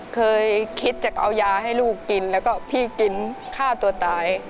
เคยคิดจะเอายาให้ลูกกินแล้วก็พี่กินฆ่าตัวตาย